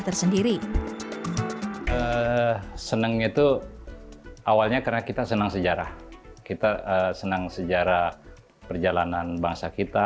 tersendiri senang itu awalnya karena kita senang sejarah kita senang sejarah perjalanan bangsa kita